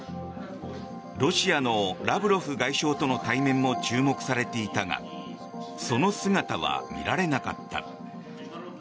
ロシアのラブロフ外相との対面も注目されていたがその姿は見られなかった。